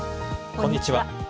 こんにちは。